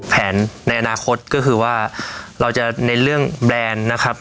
ในอนาคตก็คือว่าเราจะในเรื่องแบรนด์นะครับ